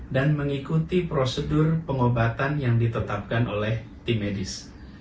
dan mengikuti prosedur pengobatan yang ditetapkan oleh tim medis